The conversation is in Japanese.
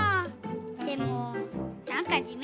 でもなんかじみ。